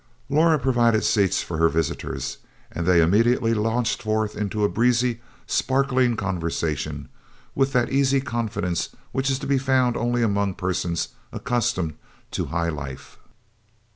Laura provided seats for her visitors and they immediately launched forth into a breezy, sparkling conversation with that easy confidence which is to be found only among persons accustomed to high life.